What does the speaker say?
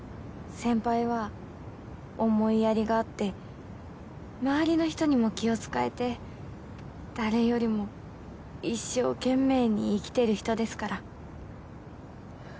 先輩は思いやりがあって周りの人にも気を使えて誰よりも一生懸命に生きてる人ですから。